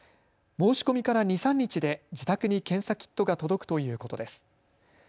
申し込みから２、３日で自宅に検査キットが届くということです。